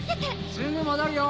すぐ戻るよ！